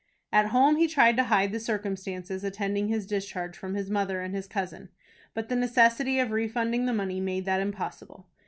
At home he tried to hide the circumstances attending his discharge from his mother and his cousin; but the necessity of refunding the money made that impossible.